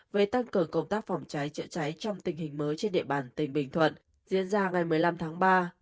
về tăng cường công tác phòng cháy chữa cháy trong tình hình mới trên địa bàn tỉnh bình thuận diễn ra ngày một mươi năm tháng ba